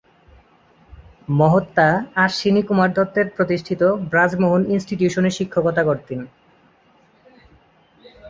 মহাত্মা অশ্বিনী কুমার দত্তের প্রতিষ্ঠিত ব্রজমোহন ইনস্টিটিউশনে শিক্ষকতা করেন।